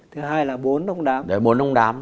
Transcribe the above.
thứ hai là bốn ông đám